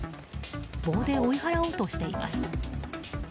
棒で追い払おうとしています。